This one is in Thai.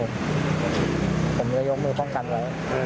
ผมก็ยกมือป้องกันไว้